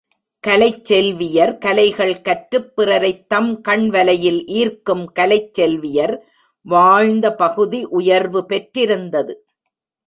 கலைச் செல்வியர் கலைகள் கற்றுப் பிறரைத் தம் கண்வலையில் ஈர்க்கும் கலைச் செல்வியர் வாழ்ந்த பகுதி உயர்வு பெற்றிருந்தது.